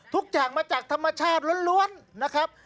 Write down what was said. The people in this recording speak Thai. ทุกอย่างมาจากธรรมชาติล้วนนะครับ